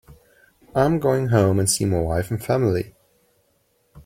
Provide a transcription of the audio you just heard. I'm going home and see my wife and family.